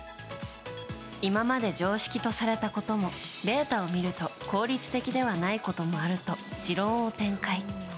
今まで常識とされたこともデータを見ると効率的ではないこともあると持論を展開。